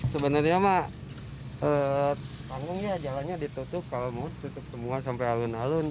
sebenarnya mah panggung ya jalannya ditutup kalau mau tutup tembungan sampai alun alun